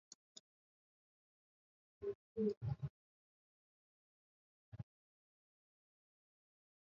idadi ya watu waliyokufa katika ajali hiyo ilikuwa kubwa